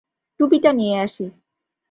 টুপি টা নিয়ে আসি।